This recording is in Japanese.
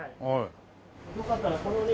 よかったらこのね